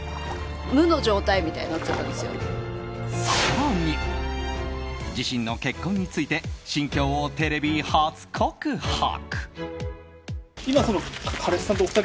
更に、自身の結婚について心境をテレビ初告白！